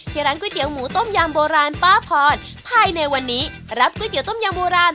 ร้านก๋วยเตี๋ยหมูต้มยำโบราณป้าพรภายในวันนี้รับก๋วยเตี๋ต้มยำโบราณ